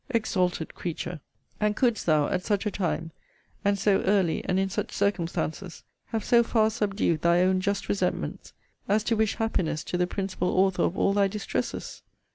Exalted creature! And couldst thou, at such a time, and so early, and in such circumstances, have so far subdued thy own just resentments, as to wish happiness to the principal author of all thy distresses?